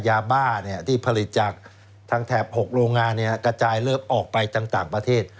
ยาบ้าที่ผลิตจากทางแถบ๖โรงงานกระจายเลิฟออกไปจากต่างประเทศ